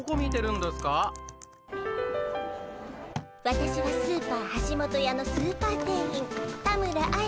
私はスーパーはしもとやのスーパー店員田村愛。